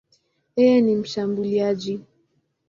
Yeye ni mshambuliaji.